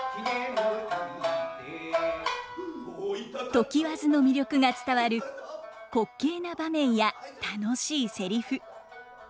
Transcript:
常磐津の魅力が伝わる滑稽な場面や楽しいセリフ。